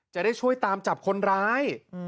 จะได้ช่วยตามจับคนร้าย